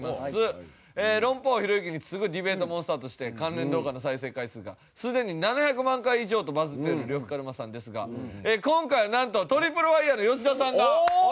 論破王ひろゆきに続くディベートモンスターとして関連動画の再生回数がすでに７００万回以上とバズっている呂布カルマさんですが今回はなんとトリプルファイヤーの吉田さんが来てくれております。